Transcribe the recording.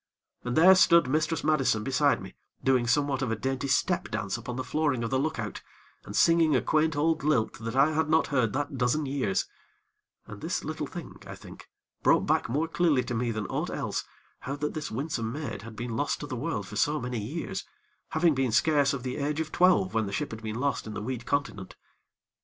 And there stood Mistress Madison beside me, doing somewhat of a dainty step dance upon the flooring of the look out, and singing a quaint old lilt that I had not heard that dozen years, and this little thing, I think, brought back more clearly to me than aught else how that this winsome maid had been lost to the world for so many years, having been scarce of the age of twelve when the ship had been lost in the weed continent.